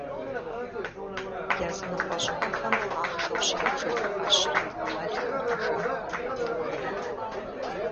Языныкъуэ щӏыпӏэхэм ахъшэу щабжырт ӏэщыр: мэлхэр, жэмхэр, гуухэр.